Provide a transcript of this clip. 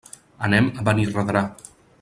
Anem a Benirredrà.